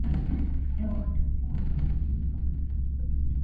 Thorne also competed in several non-Championship Formula One races.